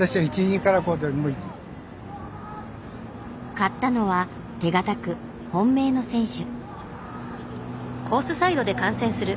買ったのは手堅く本命の選手。